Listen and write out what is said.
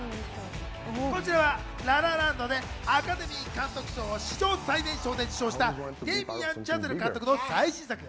こちらは『ラ・ラ・ランド』でアカデミー監督賞を史上最年少で受賞したデイミアン・チャゼル監督の最新作。